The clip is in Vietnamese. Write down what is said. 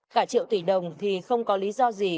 cả triệu tỷ đồng thì không có lý do gì có thể tưởng tượng được